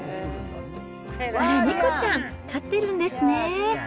あら、猫ちゃん、飼ってるんですね。